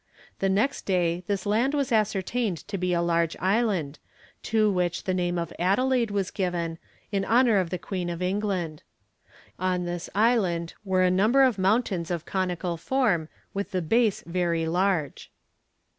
The next day this land was ascertained to be a large island, to which the name of Adelaide was given, in honour of the Queen of England. On this island were a number of mountains of conical form with the base very large.